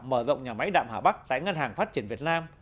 mở rộng nhà máy đạm hà bắc tại ngân hàng phát triển việt nam